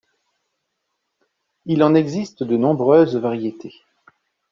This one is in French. Il en existe de nombreuses variétés.